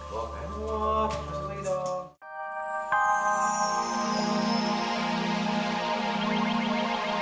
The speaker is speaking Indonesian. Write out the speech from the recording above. lo kain wak masuk lagi dong